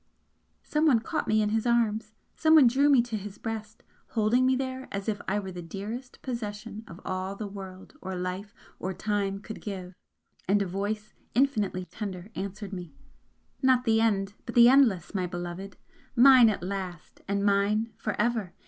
Someone caught me in his arms someone drew me to his breast, holding me there as if I were the dearest possession of all the world or life or time could give and a voice, infinitely tender, answered me "Not the end, but the Endless, my beloved! Mine at last, and mine for ever!